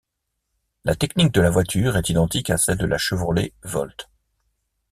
La technique de la voiture est identique à celle de la Chevrolet Volt.